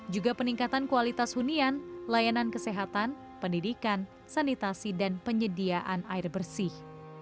juga peningkatan kualitas hunian layanan kesehatan pendidikan sanitasi dan penyediaan air bersih